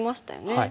はい。